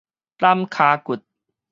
攬腳骨